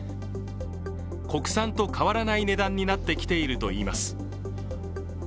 国産と変わらない値段になってきているといいます。